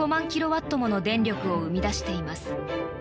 キロワットもの電力を生み出しています。